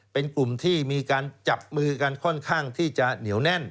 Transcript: เป็นกลุ่มที่มีการจับมือกันค่อนข้างที่จะเหนียวแน่น